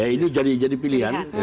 ini jadi pilihan